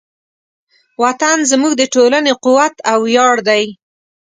وطن زموږ د ټولنې قوت او ویاړ دی.